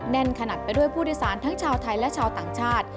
แน่นขนาดไปด้วยผู้โดยสารทั้งชาวไทยและชาวต่างชาติ